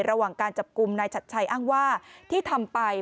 ระหว่างการจับกลุ่มนายชัดชัยอ้างว่าที่ทำไป